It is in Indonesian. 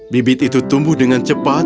bibit itu tumbuh dengan cepat